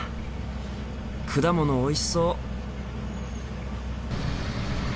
果物おいしそう。